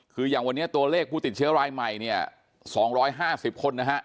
คืออย่างวันนี้ตัวเลขผู้ติดเชื้อรายใหม่เนี่ย๒๕๐คนนะฮะ